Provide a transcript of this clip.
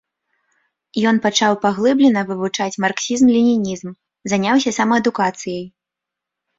Ён пачаў паглыблена вывучаць марксізм-ленінізм, заняўся самаадукацыяй.